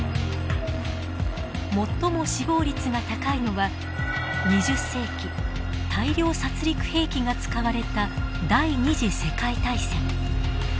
最も死亡率が高いのは２０世紀大量殺戮兵器が使われた第二次世界大戦。